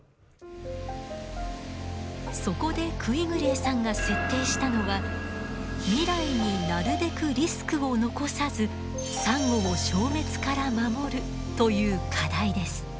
そこでクィグレーさんが設定したのは未来になるべくリスクを残さずサンゴを消滅から守るという課題です。